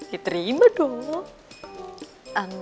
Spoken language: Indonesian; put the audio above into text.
ya terima dong